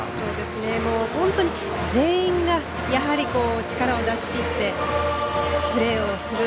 本当に全員が力を出し切ってプレーをする。